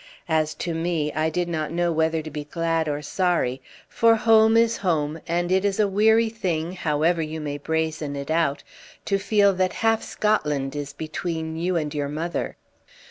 As to me, I did not know whether to be glad or sorry; for home is home, and it is a weary thing, however you may brazen it out, to feel that half Scotland is between you and your mother.